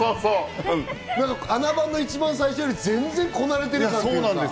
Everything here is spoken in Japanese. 『あな番』の一番最後より全然こなれてる。